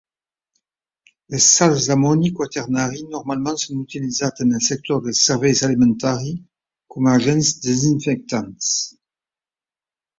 Les sals d'amoni quaternari normalment són utilitzats en el sector dels serveis alimentari, com a agents desinfectants.